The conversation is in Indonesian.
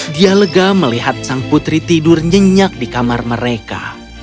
dia lega melihat sang putri tidur nyenyak di kamar mereka